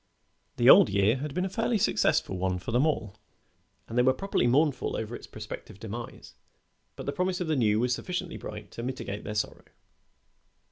The old year had been a fairly successful one for them all, and they were properly mournful over its prospective demise, but the promise of the new was sufficiently bright to mitigate their sorrow.